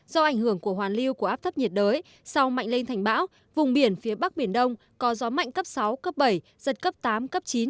do ảnh hưởng của hoàn lưu của áp thấp nhiệt đới sau mạnh lên thành bão vùng biển phía bắc biển đông có gió mạnh cấp sáu cấp bảy giật cấp tám cấp chín